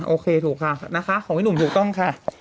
โอเคถูกค่ะนะคะของพี่หนุ่มถูกต้องค่ะ